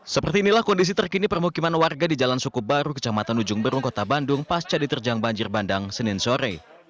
seperti inilah kondisi terkini permukiman warga di jalan sukubaru kecamatan ujung berung kota bandung pasca diterjang banjir bandang senin sore